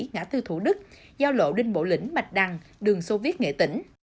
ngã tư thủ đức giao lộ đinh bộ lĩnh bạch đăng đường xô viết nghệ tỉnh